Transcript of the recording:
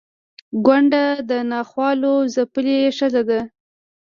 کونډه د ناخوالو ځپلې ښځه ده